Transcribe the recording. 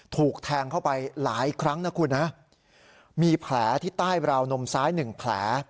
ถูกแทงเข้าไปหลายครั้งนะคุณฮะมีแผลที่ใต้ราวนมซ้ายหนึ่งแผล